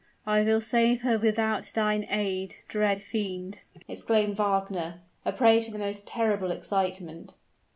I will save her without thine aid, dread fiend!" exclaimed Wagner, a prey to the most terrible excitement.